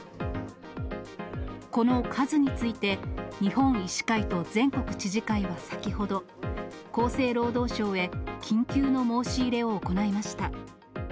この数について、日本医師会と全国知事会は先ほど、厚生労働省へ緊急の申し入れを行いました。